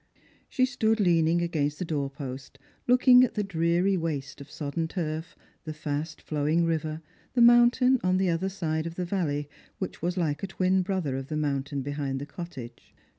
Strangers and Pilgrims. 313 She stood leaning against the door post, looking at the dreary waste of sodden turf, the fast flowing river, the mountain on the other side of the valley, which was hke a twin brother of the mountain behind the cottage.